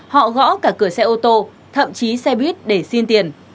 họ gõ cả cửa xe ô tô thậm chí xe buýt để xin tiền